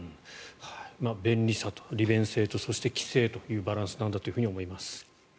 便利さ、利便性とそして規制というバランスなんだと思います。